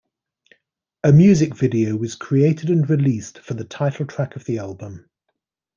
A music video was created and released for the title track of the album.